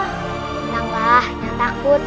tidak lah jangan takut